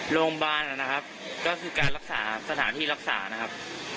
โรงพยาบาลนะครับก็คือการรักษาสถานที่รักษานะครับ